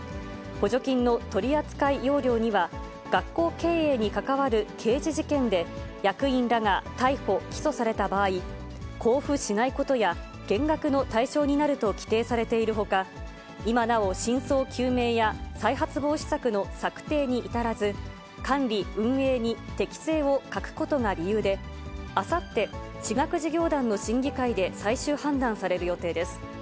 補助金の取り扱い要領には、学校経営に関わる刑事事件で、役員らが逮捕・起訴された場合、交付しないことや、減額の対象になると規定されているほか、今なお、真相究明や再発防止策の策定に至らず、管理運営に適性を欠くことが理由で、あさって、私学事業団の審議会で最終判断される予定です。